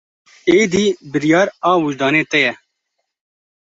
Êdî biryar a wijdanê te ye.